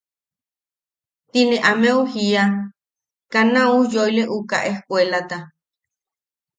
Ti ne ameu jiia –Kaa na ujyooilek juka ejkuelata.